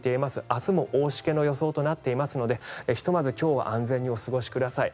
明日も大しけの予想となっていますのでひとまず今日は安全にお過ごしください。